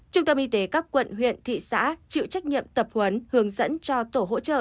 trung tâm y tế các quận huyện thị xã chịu trách nhiệm tập huấn hướng dẫn cho tổ hỗ trợ